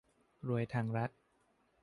รวยทางรัฐ